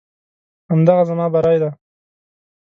همدغه زما بری دی.